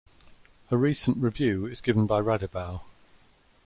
A recent review is given by Radebaugh.